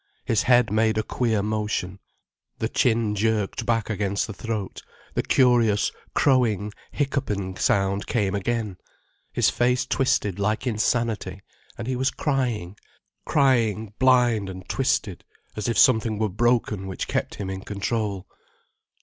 His head made a queer motion, the chin jerked back against the throat, the curious, crowing, hiccupping sound came again, his face twisted like insanity, and he was crying, crying blind and twisted as if something were broken which kept him in control.